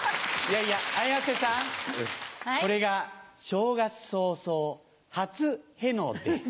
いやいや綾瀬さんこれが正月早々初ヘの出。